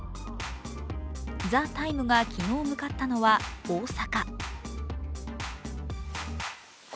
「ＴＨＥＴＩＭＥ，」が昨日向かったのは大阪。